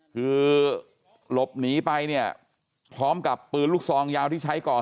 คือหลบหนีไปเนี่ยพร้อมกับปืนลูกซองยาวที่ใช้ก่อน